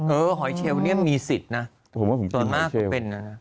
หอยเชลเนี่ยมีสิทธิ์นะส่วนมากผมเป็นนะ